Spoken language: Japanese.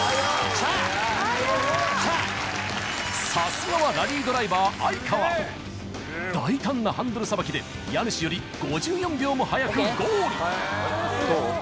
さすがはラリードライバー哀川大胆なハンドルさばきで家主より５４秒も早くゴールどう？